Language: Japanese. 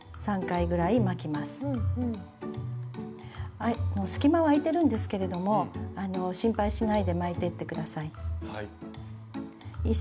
はい隙間は空いてるんですけれども心配しないで巻いていってください。